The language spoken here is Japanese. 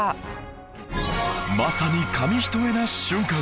まさに紙一重な瞬間